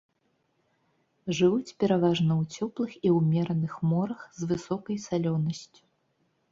Жывуць пераважна ў цёплых і ўмераных морах з высокай салёнасцю.